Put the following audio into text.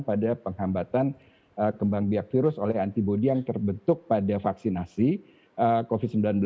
pada penghambatan kembang biak virus oleh antibody yang terbentuk pada vaksinasi covid sembilan belas